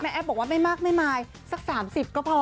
แอฟบอกว่าไม่มากไม่มายสัก๓๐ก็พอ